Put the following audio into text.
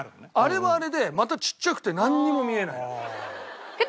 あれはあれでまたちっちゃくてなんにも見えないの。